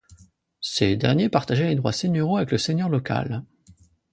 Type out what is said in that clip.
Ces derniers partageaient les droits seigneuriaux avec le seigneur local.